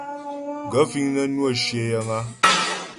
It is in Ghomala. Gaə̂ fíŋ nə́ nwə́ shyə yəŋ a ?